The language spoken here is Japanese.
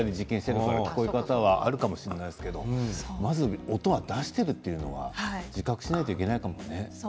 その違いはあるかもしれないけれども音を出しているというのは自覚しないといけないかもね。